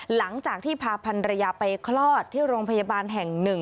หลังจากที่พาพันรยาไปคลอดที่โรงพยาบาลแห่งหนึ่ง